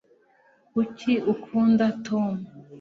kuki ukunda tom